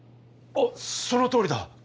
あっそのとおりだ。